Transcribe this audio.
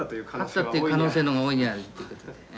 あったっていう可能性の方が大いにあるということで。